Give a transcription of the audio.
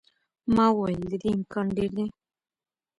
ما وویل، د دې امکان ډېر دی.